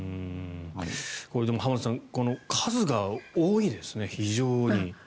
これ、浜田さん数が多いですね、非常に。